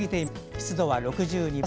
湿度は６２％。